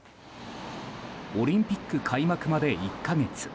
オリンピック開幕まで１か月。